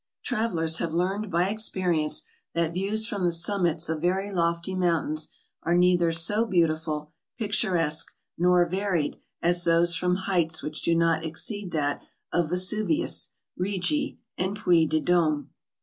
Travelers have learned by experience that views from the summits of very lofty mountains are neither so beautiful, 411 412 TRAVELERS AND EXPLORERS picturesque, nor varied, as those from heights which do not exceed that of Vesuvius, Rigi and Puy de D6me.